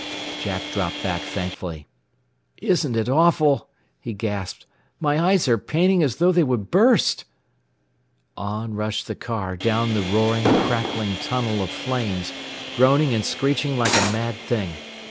Jack dropped back thankfully. "Isn't it awful," he gasped. "My eyes are paining as though they would burst." On rushed the car down the roaring, crackling tunnel of flames, groaning and screeching like a mad thing.